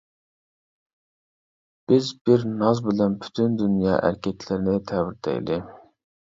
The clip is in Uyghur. بىز بىر ناز بىلەن پۈتۈن دۇنيا ئەركەكلىرىنى تەۋرىتەيلى.